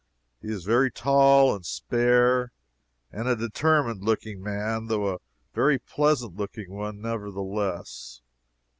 He is very tall and spare, and a determined looking man, though a very pleasant looking one nevertheless.